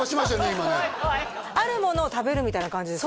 今ねあるものを食べるみたいな感じです？